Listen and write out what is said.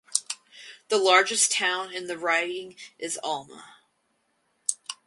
The largest town in the riding is Alma.